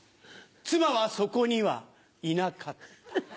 妻はそこにはいなかった。